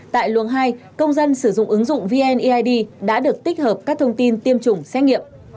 tại luồng hai công dân sử dụng ứng dụng vneid đã được tích hợp các thông tin tiêm chủng xét nghiệm